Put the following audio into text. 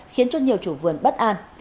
khiến cho nhiều chủ vườn bất an